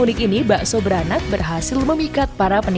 ini baru pertama nikmatin di kawasan